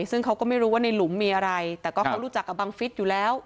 ซึ่งเขาก็ไม่รู้ว่าในหลุมมีอะไรแต่ก็เขารู้จักกับบังฟิศอยู่แล้ว